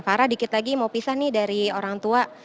farah dikit lagi mau pisah nih dari orang tua